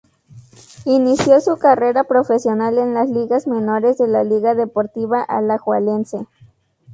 Inició su carrera profesional en las ligas menores de la Liga Deportiva Alajuelense.